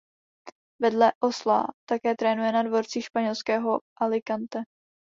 Vedle Osla také trénuje na dvorcích španělského Alicante.